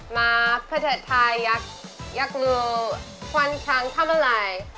มาประเทศไทยอยากรู้ควันช้างทำอะไร